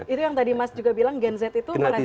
itu yang tadi mas juga bilang gen z itu manajemen